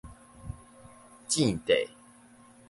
糋塊